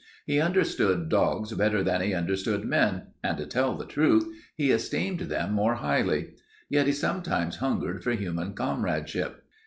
He understood dogs better than he understood men, and, to tell the truth, he esteemed them more highly; yet he sometimes hungered for human comradeship.